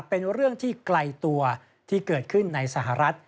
เป็นเรื่องที่ไกลตัวที่เกิดขึ้นในสหรัฐ